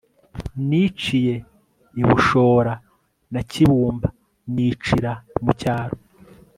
Niciye i Bushora na Kibumba nicira mucyaro